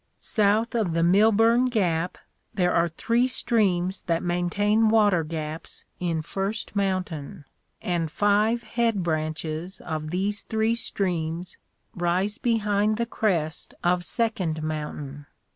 South of the Milburn gap, there are three streams that main tain water gaps in First mountain, and five head branches of these three streams rise behind the crest of Second mountain.